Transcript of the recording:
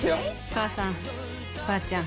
母さんばあちゃん